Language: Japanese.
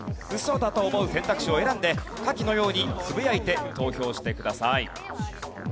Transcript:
ウソだと思う選択肢を選んで下記のようにつぶやいて投票してください。